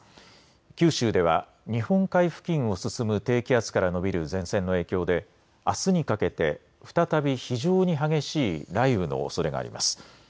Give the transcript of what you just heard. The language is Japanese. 九州では日本海付近を進む低気圧から延びる前線の影響であすにかけて再び非常に激しい雷雨のおそれがあります。